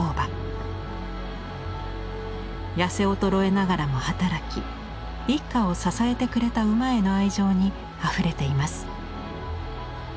痩せ衰えながらも働き一家を支えてくれた馬への愛情にあふれています。